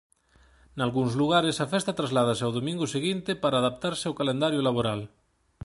Nalgúns lugares a festa trasládase ao domingo seguinte para adaptarse ao calendario laboral.